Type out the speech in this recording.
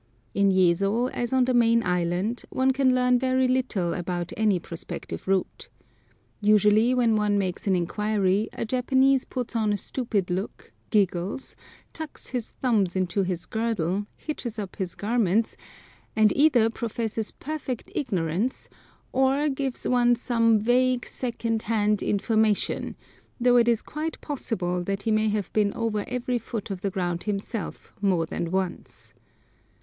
In Yezo, as on the main island, one can learn very little about any prospective route. Usually when one makes an inquiry a Japanese puts on a stupid look, giggles, tucks his thumbs into his girdle, hitches up his garments, and either professes perfect ignorance or gives one some vague second hand information, though it is quite possible that he may have been over every foot of the ground himself more than once.